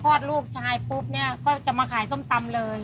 ลูกชายปุ๊บเนี่ยก็จะมาขายส้มตำเลย